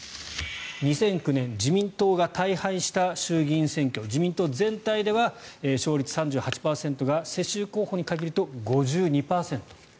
２００９年、自民党が大敗した衆議院選挙自民党全体では勝率３８％が世襲候補に限ると５２％。